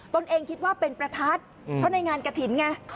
ตนเองคิดว่าเป็นประทัดเพราะในงานกระถิ่นไง